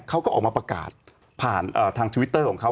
เขาก็ออกมาประกาศผ่านทางทวิตเตอร์ของเขา